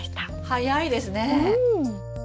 早いですね。